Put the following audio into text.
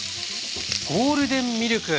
ゴールデンミルク。